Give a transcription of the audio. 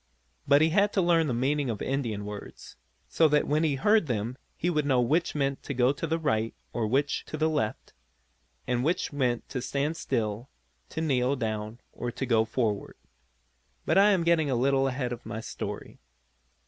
But he had to learn the meaning of Indian words, so that when he heard them he would know which meant go to the right or which to the left, and which meant to stand still, to kneel down or to go forward. But I am getting a little ahead of my story.